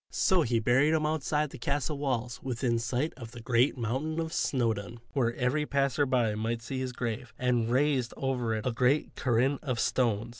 So he buried him outside the castle walls within sight of the great mountain of Snowdon, where every passer by might see his grave, and raised over it a great cairn of stones.